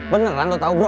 beneran lu tau bro